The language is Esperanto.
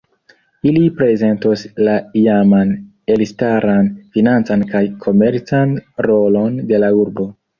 Ili prezentos la iaman elstaran financan kaj komercan rolon de la urbo.